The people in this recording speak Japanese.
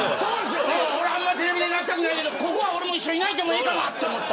俺、あんまりテレビで泣きたくないけどここは俺も一緒に泣いてもええかなって思った。